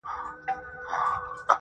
مثبت فکر انسان خوشبینوي.